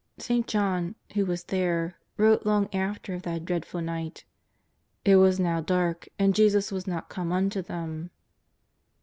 St. John, who was there, wrote long after of that dreadful night :'' It was now dark and Jesus was not come unto them."